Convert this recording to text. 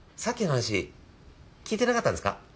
さっきの話聞いてなかったんですか？